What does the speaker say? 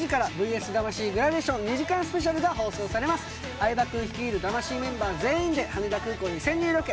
相葉君率いる魂メンバー全員で羽田空港に潜入ロケ。